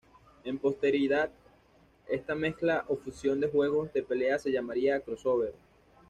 En posterioridad esta mezcla o fusión de juegos de pelea se llamaría "Crossover".